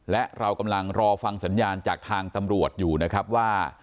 และเรากำลังรอฟังสัญญาณจากทางตำรวจอยู่นะครับว่า